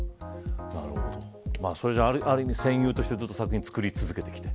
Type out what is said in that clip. それじゃ、ある意味戦友としてずっと作品を作り続けてきた。